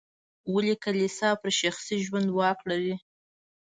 ولې کلیسا پر شخصي ژوند واک لري.